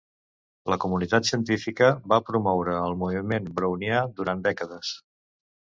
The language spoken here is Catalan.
La comunitat científica va promoure el moviment brownià durant dècades.